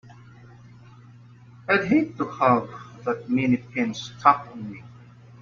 I'd hate to have that many pins stuck in me!